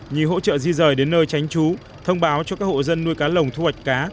như hỗ trợ di rời đến nơi tránh trú thông báo cho các hộ dân nuôi cá lồng thu hoạch cá